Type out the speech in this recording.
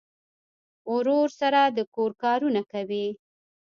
ورور سره د کور کارونه کوي.